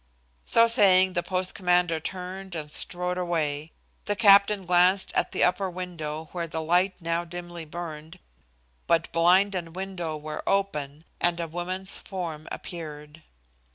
So saying the post commander turned and strode away. The captain glanced at the upper window where the light now dimly burned, but blind and window were open, and a woman's form appeared.